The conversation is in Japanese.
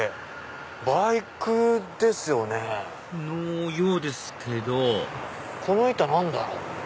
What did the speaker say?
バイクですよね？のようですけどこの板何だろう？